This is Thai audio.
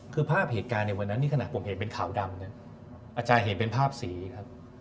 คือภาพเหตุการณ์ในวันนั้นนี่ขณะผมเห็นเป็นขาวดำเนี่ยอาจารย์เห็นเป็นภาพสีครับ